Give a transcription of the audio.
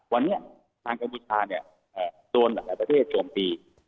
วันนี้ทางกัมพูชาเนี่ยโดนหลายประเทศโจมตี